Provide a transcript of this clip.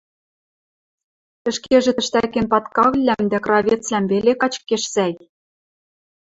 Ӹшкежӹ тӹштӓкен падкагыльвлӓм дӓ кыравецвлӓм веле качкеш сӓй...